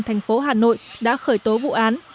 thành phố hà nội đã khởi tố vụ án